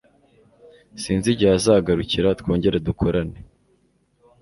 Sinzi igihe azagarukira twongere dukorane.